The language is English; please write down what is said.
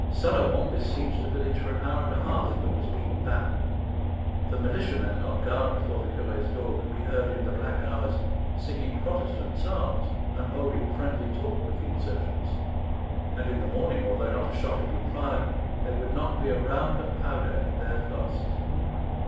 Salomon besieged the village for an hour and a half, but was beaten back. The militiamen, on guard before the curé's door, could be heard, in the black hours, singing Protestant psalms and holding friendly talk with the insurgents. And in the morning, although not a shot had been fired, there would not be a round of powder in their flasks.